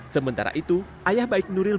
sementara itu ayah baik nuril